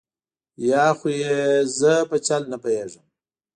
یا خو یې زه په چل نه پوهېږم.